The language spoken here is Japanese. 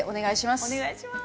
お願いします。